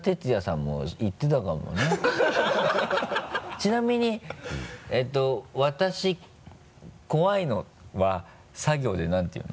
ちなみに「私怖いの」はさ行で何て言うの？